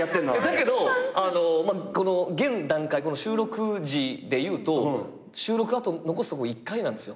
だけど現段階収録時でいうと収録あと残すところ１回なんですよ。